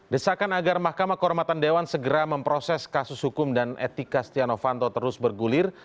desakan agar mahkamah kehormatan dewan segera memproses kasus hukum dan etika stiano fanto terus bergulir